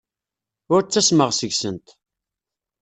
Ur ttasmeɣ seg-sent.